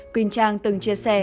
quỳnh trang từng chia sẻ